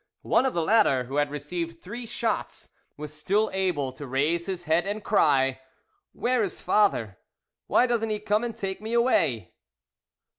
One of the latter, who had received three shots was still able to raise his head and cry, "Where is father? Why doesn't he come and take me away."